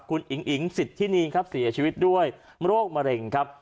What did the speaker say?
คุณอิ๋งอิ๋งสิทธินีครับเสียชีวิตด้วยโรคมะเร็งครับ